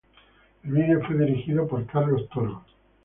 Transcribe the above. El video fue dirigido por Carlos Toro.